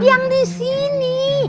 yang di sini